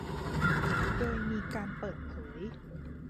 โดยมีการเปิดเผย